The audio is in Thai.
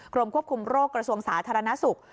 กรมควบคุมโรคกระทรวงสาธารณสุข